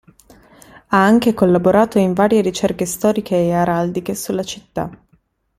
Ha anche collaborato in varie ricerche storiche e araldiche sulla città.